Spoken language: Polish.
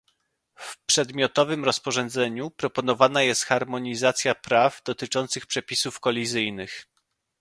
W przedmiotowym rozporządzeniu proponowana jest harmonizacja praw dotyczących przepisów kolizyjnych